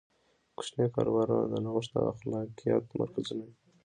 کوچني کاروبارونه د نوښت او خلاقیت مرکزونه دي.